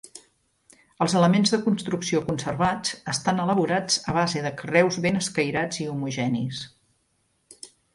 Els elements de construcció conservats estan elaborats a base de carreus ben escairats i homogenis.